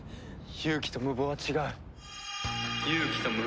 勇気と無謀は違う。